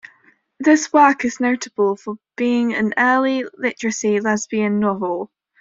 This work is notable for being an early literary lesbian novel.